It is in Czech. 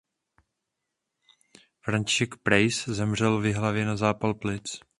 František Preiss zemřel v Jihlavě na zápal plic.